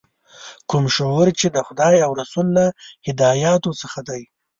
کوم شعور چې د خدای او رسول له هدایاتو څخه دی.